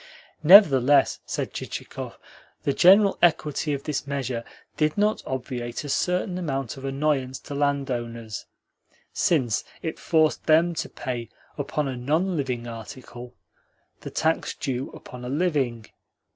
Nevertheless, said Chichikov, the general equity of this measure did not obviate a certain amount of annoyance to landowners, since it forced them to pay upon a non living article the tax due upon a living.